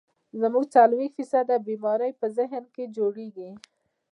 زمونږ څلوېښت فيصده بيمارۍ پۀ ذهن کښې جوړيږي